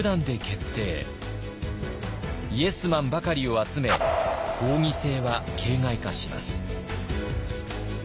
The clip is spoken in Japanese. イエスマンばかりを集め合議制は形骸化します。